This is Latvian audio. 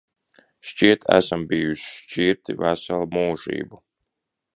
Šķiet, esam bijuši šķirti veselu mūžību.